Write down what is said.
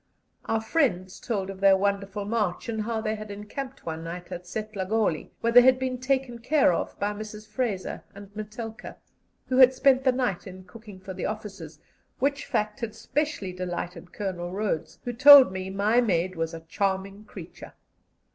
Our friends told of their wonderful march, and how they had encamped one night at Setlagoli, where they had been taken care of by Mrs. Fraser and Metelka, who had spent the night in cooking for the officers, which fact had specially delighted Colonel Rhodes, who told me my maid was a "charming creature."